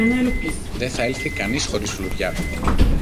δε θα έλθει κανείς χωρίς φλουριά!